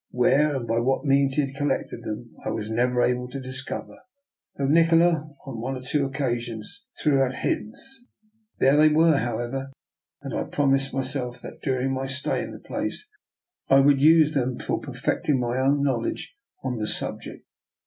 Where and by what means he had collected them I was never able to discover, although Nikola, on one or two occasions, threw out hints. There they were, however, and I promised myself that during my stay in the place I would use them for perfecting my own knowl edge on the subject.